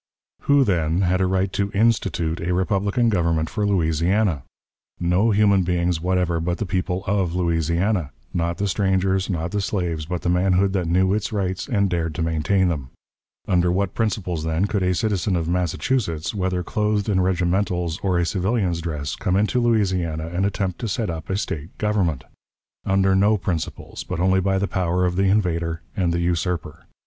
Who, then, had a right to "institute" a republican government for Louisiana? No human beings whatever but the people of Louisiana; not the strangers, not the slaves, but the manhood that knew its rights and dared to maintain them. Under what principles, then, could a citizen of Massachusetts, whether clothed in regimentals or a civilian's dress, come into Louisiana and attempt to set up a State government? Under no principles, but only by the power of the invader and the usurper.